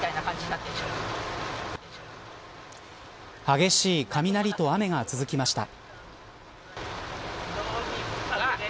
激しい雷と雨が続きました。